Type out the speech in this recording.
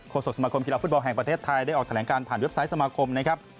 ศกสมาคมกีฬาฟุตบอลแห่งประเทศไทยได้ออกแถลงการผ่านเว็บไซต์สมาคมนะครับ